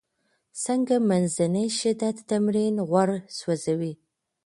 څنګه منځنی شدت تمرین غوړ سوځوي؟